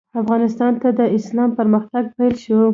افغانستان ته د اسلام پرمختګ پیل شو.